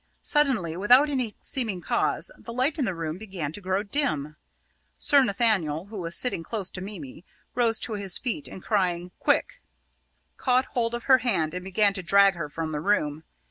Suddenly, without any seeming cause, the light in the room began to grow dim. Sir Nathaniel, who was sitting close to Mimi, rose to his feet, and, crying, "Quick!" caught hold of her hand and began to drag her from the room.